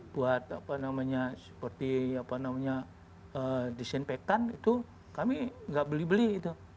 buat apa namanya seperti apa namanya disinfektan itu kami nggak beli beli itu